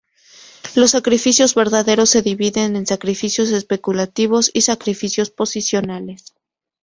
Los sacrificios verdaderos se dividen en "sacrificios especulativos" y "sacrificios posicionales".